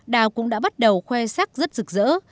đào cũng đã bắt đầu khoe sắc rất rực rỡ